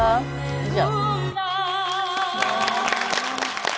以上。